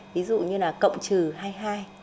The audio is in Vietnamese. ví dụ như là cộng trừ hay hai